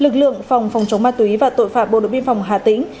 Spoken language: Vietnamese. lực lượng phòng phòng chống ma túy và tội phạm bộ đội biên phòng hà tĩnh